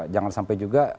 jangan sampai juga